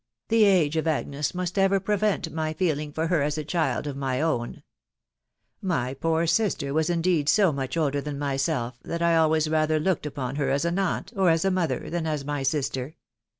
the age of Agnes must ever prevent my feeling for her as a child of my own My poor sister was indeed so much older than myself, that I always rather looked upon her as an aunt, or as a mother, than as my sister."